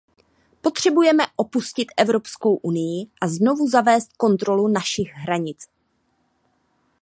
Potřebujeme opustit Evropskou unii a znovu zavést kontrolu našich hranic.